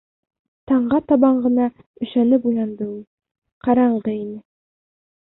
Таңға табан ғына өшәнеп уянды ул. Ҡараңғы ине.